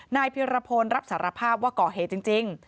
เพียรพลรับสารภาพว่าก่อเหตุจริง